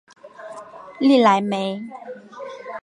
利莱梅。